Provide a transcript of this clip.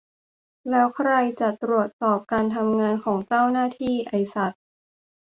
แล้วใครจะตรวจสอบการทำงานของเจ้าหน้าที่ ? ไอ้สัส